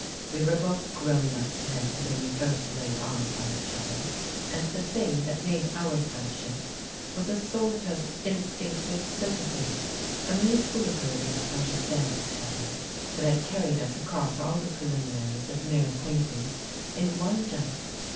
We were both grown up men when we first laid eyes on each other and the thing that made our friendship was a sort of instinctive sympathy — a mutual ability to understand each other — that had carried us across all the preliminaries of mere ac quaintance in one jump.